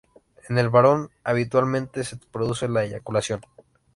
En el varón habitualmente se produce la eyaculación.